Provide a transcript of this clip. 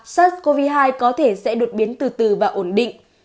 sars cov hai có thể sẽ đột biến từ từ và ổn định